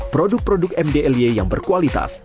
produk produk mdly yang berkualitas